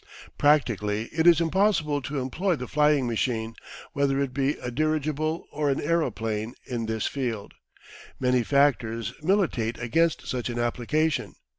Practically it is impossible to employ the flying machine, whether it be a dirigible or an aeroplane, in this field. Many factors militate against such an application.